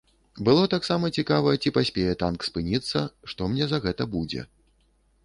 Было таксама цікава, ці паспее танк спыніцца, што мне за гэта будзе?